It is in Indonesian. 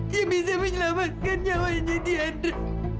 yang bisa menyelamatkan nyawanya tiandra